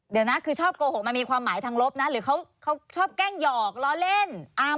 เดี๋ยวนะคือชอบโกหกมันมีความหมายทางลบนะหรือเขาชอบแกล้งหยอกล้อเล่น